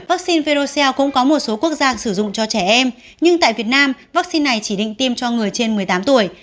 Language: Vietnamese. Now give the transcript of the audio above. vắc xin verocell cũng có một số quốc gia sử dụng cho trẻ em nhưng tại việt nam vắc xin này chỉ định tiêm cho người trên một mươi tám tuổi